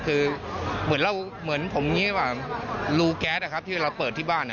คือเหมือนผมรู้แก๊สที่เราเปิดที่บ้าน